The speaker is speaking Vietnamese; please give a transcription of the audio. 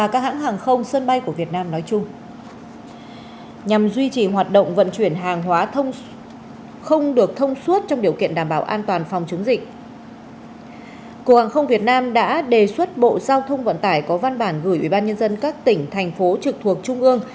cục hàng không việt nam đã đề xuất bộ giao thông vận tải có văn bản gửi ubnd các tỉnh thành phố trực thuộc trung ương